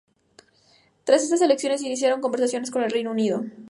Tras estas elecciones se iniciaron conversaciones con el Reino Unido.